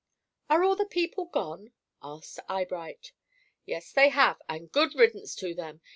"Are all the people gone?" asked Eyebright. "Yes, they have, and good riddance to them.